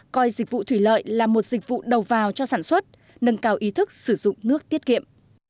coi dịch vụ thủy lợi là một dịch vụ đầu vào cho sản xuất nâng cao ý thức sử dụng nước tiết kiệm